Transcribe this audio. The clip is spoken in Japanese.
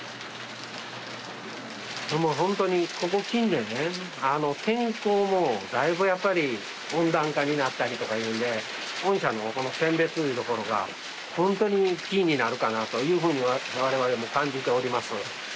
もう本当にここ近年ね天候もだいぶやっぱり温暖化になったりとかいうんで御社のこの選別というところが本当にキーになるかなというふうには我々も感じております。